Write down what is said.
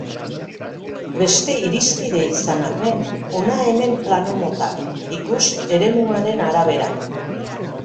Beste irizpide izan arren, hona hemen plano motak, ikus, eremuaren arabera.